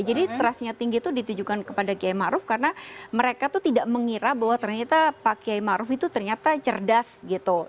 jadi trustnya tinggi itu ditujukan kepada kiai ma'ruf karena mereka tuh tidak mengira bahwa ternyata pak kiai ma'ruf itu ternyata cerdas gitu